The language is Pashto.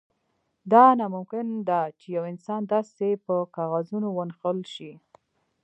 دا ناممکن ده چې یو انسان داسې په کاغذونو ونغښتل شي